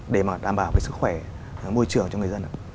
để mà đảm bảo cái sức khỏe môi trường cho người dân ạ